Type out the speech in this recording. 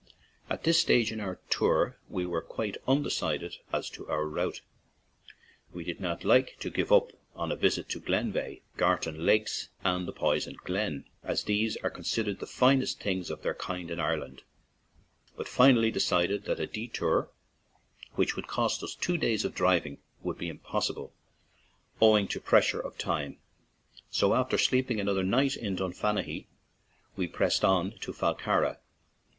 At this stage in our tour we were quite undecided as to our route. We did not like to give up a visit to Glen Veigh, Gartan lakes and the "Poisoned Glen/' as these are considered the finest things of their kind in Ireland, but finally decided that a detour which would cost us two days of driving would be impossible, owing to pressure of time; so after sleeping another night in Dunfanaghy, we pressed on to Fallcarragh.